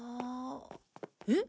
えっ？